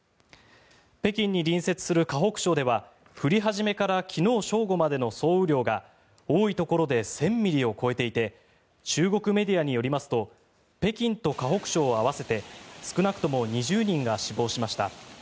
北京に隣接する河北省では降り始めから昨日正午までの総雨量が多いところで１０００ミリを超えていて中国メディアによりますと北京と河北省を合わせて少なくとも２０人が死亡しました。